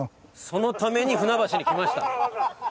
そのために船橋に来ました。